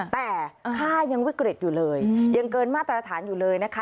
แต่ค่ายังวิกฤตอยู่เลยยังเกินมาตรฐานอยู่เลยนะคะ